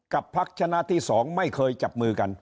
พักชนะที่๒ไม่เคยจับมือกัน